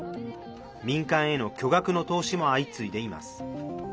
民間への巨額の投資も相次いでいます。